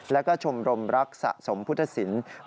แล้วก็ชมรมรักสะสมพุทธศิลป์